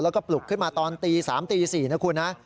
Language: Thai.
แล้วก็ปลุกขึ้นมาตอนตี๓ตี๔นะคุณนะ